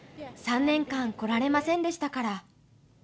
３年間来られませんでしたから。